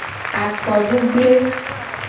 Akodugble.